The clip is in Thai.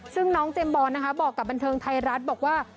ซึ่งน้องเจมส์บอลนะคะบอกกับบันเทิงไทยรัฐบอกว่า